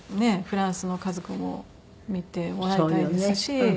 フランスの家族も見てもらいたいですし。